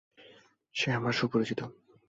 সে আমার সুপরিচিত।